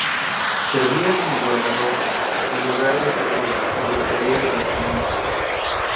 Servía como guardarropa y lugar de saludo y despedida de los clientes.